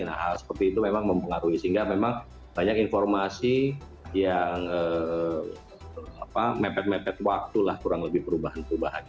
nah hal seperti itu memang mempengaruhi sehingga memang banyak informasi yang mepet mepet waktu lah kurang lebih perubahan perubahan